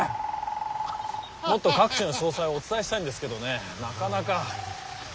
もっと各地の詳細をお伝えしたいんですけどねなかなか。